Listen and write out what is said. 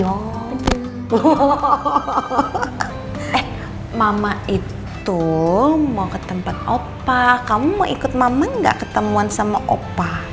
hohoho mama itu mau ke tempat opa kamu mau ikut mama gak ketemuan sama opa